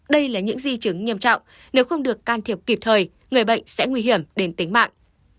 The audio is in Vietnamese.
đây là những di chứng nghiêm trọng nếu không được can thiệp kịp thời người bệnh sẽ nguy hiểm đến tính mạng